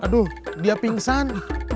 aduh dia pingsan